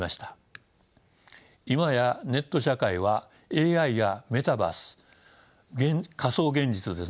今やネット社会はＡＩやメタバース仮想現実ですね